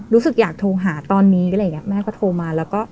รู้สึกอยากโทรหาตอนนี้อะไรอย่างเงี้แม่ก็โทรมาแล้วก็